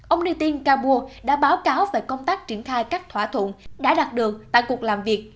ông nitin cabua đã báo cáo về công tác triển khai các thỏa thuận đã đạt được tại cuộc làm việc